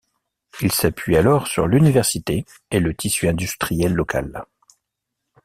Il s'appuie alors sur l'université et le tissu industriel local.